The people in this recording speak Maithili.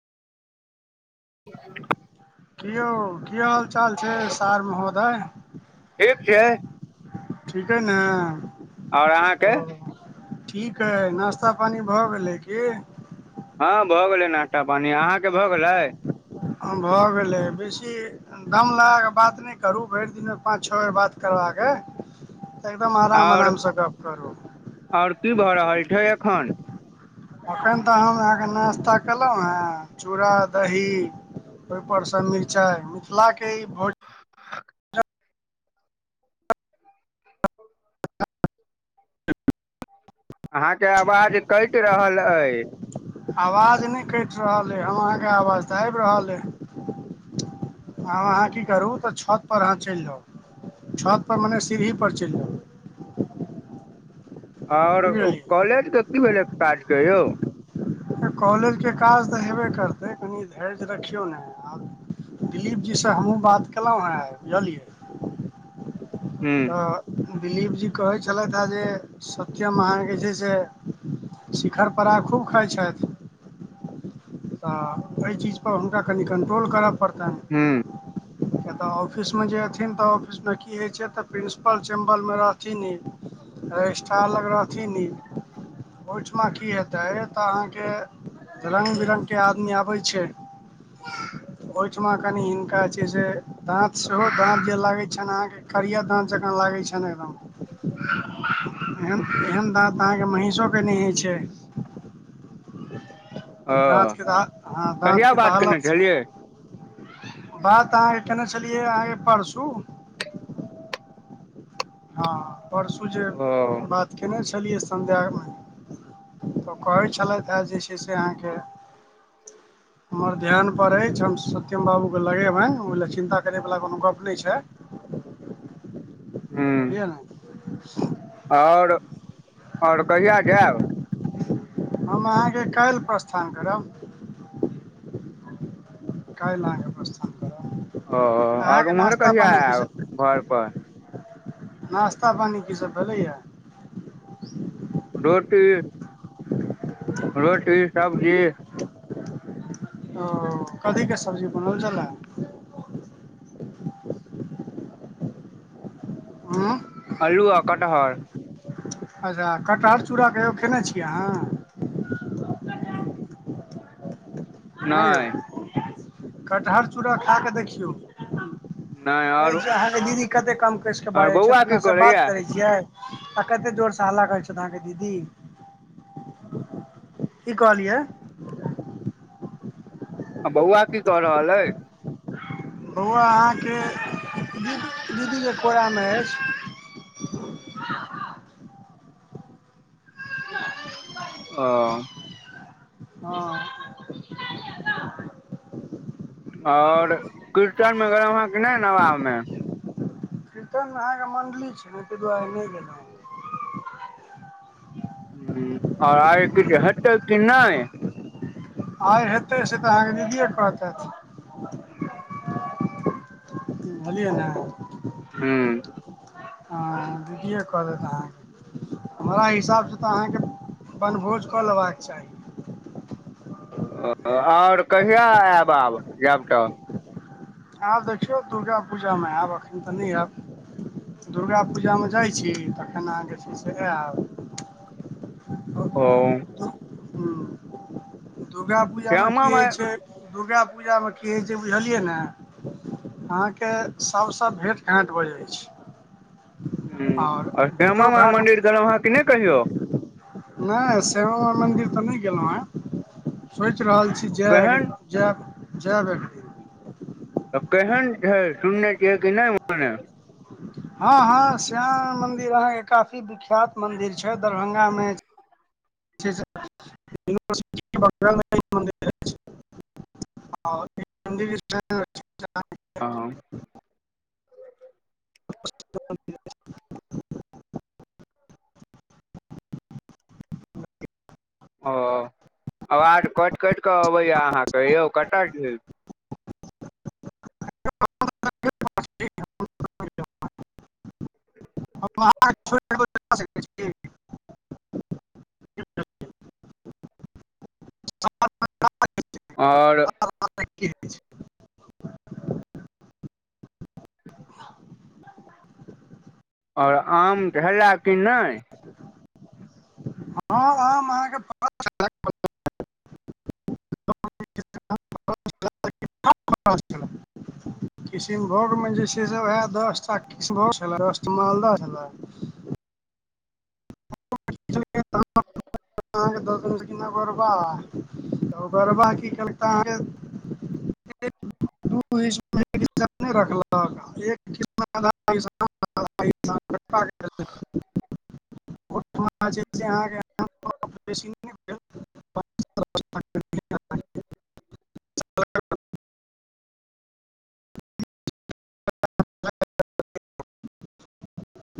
कि यौ, कि हाल चाल छै, सार महोदय? ठीक छै। ठीकै ने आओर अहाँके ओ। ठीक हइ नऽ, नाश्ता पानि भऽ गेलै की? हँ, भऽ गेलै नाश्ता पानि, अहाँके भऽ गेलै? भऽ गेलै बेसी। दम लगाकऽ बात नहि करू, भरि दिनमे पाँच छओ बेर बात करबऽ के? एकदम आराम आओर आरामसँ गप करू। आओर की भऽ रहल छै एखन? एखन तऽ हम अहाँकेँ नाश्ता कहलहुँ हेँ चूड़ा दही। ओहि पर सँ मिरचाइ मिथिलाक ई भोज। अहाँकेँ आवाज कटि रहल अछि। आवाज नहि कटि रहल अइ, हम अहाँके आवाज तऽ आबि रहल अइ। आ अहाँ की करू, तऽ छतपर अहाँ चलि जाउ। छतपर मने सीढ़ीपर चलि जाउ। आओर ओ बुझलियै कॉलेजके की भेलै काज, यौ? कॉलेजके काज तऽ हेबे करतै, कनि धैर्य रखियौ न। दिलीप जीसँ हमहुँ बात केलहुँ हँ, बुझलियै। हूँ तऽ दिलीप जी कहै छलथि हे जे सत्यम अहाँकेँ जे छै से। शिखर पराग खूब खाय छथि। तऽ एहि चीजपर हुनका कनि कन्ट्रोल करय पड़तनि। हँ कऽ तऽ ऑफिसमे जे एन तऽ ऑफिसमे की होइ छै तऽ प्रिन्सिपल? मालूमे रहथिन, रजिस्टर लग रहथिन। ओहिठाम की हेतै तऽ अहाँकेँ रंग बिरंग? आदमी आबै छै ओहिठाम, कनि हिनका जे छै से। दाँत सेहो, दाँत जे लागैत छनि अहाँके। करिया दाँत जकाँ लागै छै ने, एकदम। एहन दाँत अहाँकेँ महिषोके नहि होइ छै। ओ दाँतके तऽ हँ, कहिया दाँतके तऽ बात केने हालत छै। छलियै बात अहाँकेँ केने छलियै, अहाँकेँ पढ़सू। हँ, परसू जे ओ बात कयने छलियै संध्यामे। तऽ कहै छलैथ हेँ जे छै से अहाँके। हमर ध्यान पर अछि, हम सत्यम बाबूकेँ लगेबनि। ओहि लेलए चिन्ता करयवला कोनो गप्प नहि छै। हूँ किया ने आओर, आओर कहिया जाएब? हम अहाँकेँ काल्हि प्रस्थान करब। कइ लग प्रस्थान करब? ओ आओर अहाँके ओम्हर नाश्ता कहिया पानी की आयब घरप? नास्ता पानी की सभ भेलैया? रोटी रोटी सब्जी ओ कथी के सब्जी बनल छले हु आलुआ कटहर अच्छा कटहर चूड़ा कहियो खयने छियै अहाँ नहि यौ कटहर चूड़ा खा कऽ देखियौ नहि आओर अहाँके दीदी कते कम कैस कऽ आओर बाजै छथि बौआ की अपनासँ बात करैया करै छियै आ कते जोर से हल्ला करै छथि अहाँके दीदी क कहली य आ बौआ की क रहल अय बौआ अहाँके दीदीके कोरामे अछि ओ हँ आओर कीर्तनमेर अहाँके नहि नबाबमे कीर्तन मे अहाँके मण्डली छै ने तहि दुआरे नहि गेलहुँ ह ओर आगे किछ हेतै कि नहि आइ हेतै से तऽ अहाँके दीदिए कहतैत बुझलिए ने हँ हँ दीदीए कऽ तैत अहाँके हमरा हिसाबसँ तऽ अहाँके बनभोज कऽ लेबाक चाही ओ आओर कहिआ आएब आब जायब तऽ आब देखियौ दुर्गा पूजा मे आयब अखन तऽ नहि आयब दुर्गा पूजा मे जाइ तखन अहाँक जे छै से आयब ओ ह दुर्गापूजामे की श्यामा होइ माइ छै दुर्गा पूजामे की होइ छै बुझलियै ने अहाँके सभसँ भेँट घाँट भऽ जै छै ह आओर श्यामा भेँटो माइ घाँट मन्दिर गेलहुँ अहाँ कि नहि कहियौ नहि श्यामा माइ मन्दिर तऽ नहि गेलहुँ हेँ सोच रहल छी जा केहन जाएब जाएब एक दिन तऽ केहन छै सुनने छियै कि नहि म हँ हँ श्यामा मंन्दिर अहाँके काफी विख्यात मन्दिर छै दरभंगामे यवर्ट बमे मिर आ [unintelligible] हँ [unintelligible] ओ आ आबाज कटि कटि कऽ अबैया अहाँके यौ कतय छी [unintelligible] हम अहाँके छोड़ सकै छी सात आओर [unintelligible] [unintelligible] आओर आमके भेला कि नहि हँ अहाँके क किशनभोगमे जे छै से उएह दस टा किशनभोग छल दस मालदह छलै [unintelligible] दस द कि गोरबा तऽ गोरबा की कलकै अहाँके [inaudible] [unintelligible] [unintelligible] [unintelligible] [unintelligible]